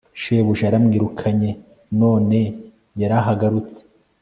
shebuja yaramwirukanye none yarahagarutse